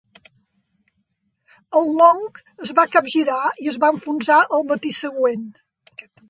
EL "Long" es va capgirar i es va enfonsar al matí següent.